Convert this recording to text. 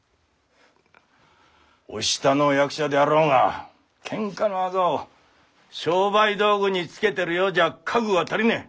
お下の役者であろうがけんかのあざを商売道具につけてるようじゃ覚悟が足りねえ。